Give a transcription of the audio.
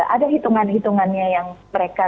ada hitungan hitungannya yang mereka